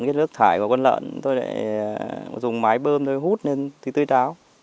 cái nước thải của con nợn tôi lại dùng máy bơm tôi hút lên tươi táo